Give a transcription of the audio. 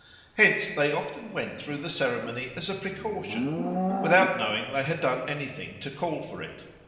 Hence they often went through the ceremony as a precaution, without knowing that they had done anything to call for it.